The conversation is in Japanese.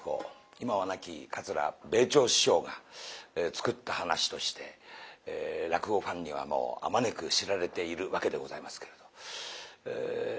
今は亡き桂米朝師匠が作った噺として落語ファンにはもうあまねく知られているわけでございますけれど。